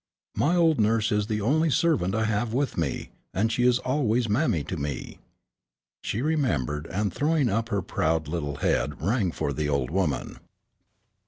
"My old nurse is the only servant I have with me, and she is always mammy to me." She remembered, and throwing up her proud little head rang for the old woman.